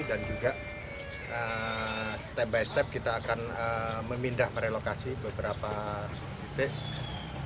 dan juga step by step kita akan memindah ke lokasi beberapa titik